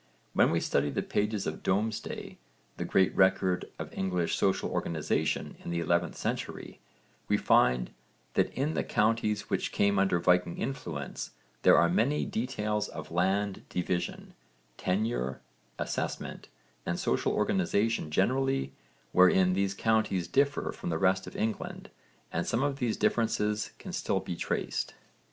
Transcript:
When we study the pages of Domesday, the great record of English social organisation in the 11th century, we find that in the counties which came under Viking influence there are many details of land division, tenure, assessment and social organisation generally wherein those counties differ from the rest of England, and some of these differences can still be traced.